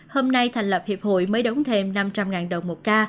hôm nay thành lập hiệp hội mới đóng thêm năm trăm linh đồng một ca